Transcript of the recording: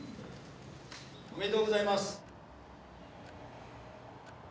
「おめでとうございます」。